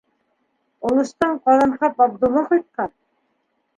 — Олостан Ҡаҙанҡап Абдулла ҡайтҡан.